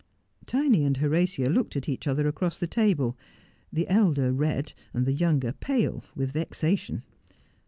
Tiny and Horatia looked at each other across the table, the elder red, the younger pale, with vexation.